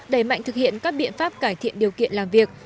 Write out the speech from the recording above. đẩy mạnh thực hiện các biện pháp cải thiện điều kiện làm việc